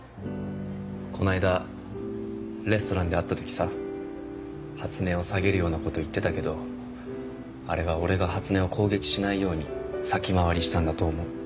この間レストランで会った時さ初音を下げるようなこと言ってたけどあれは俺が初音を攻撃しないように先回りしたんだと思う。